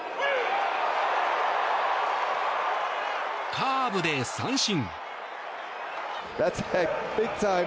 カーブで三振。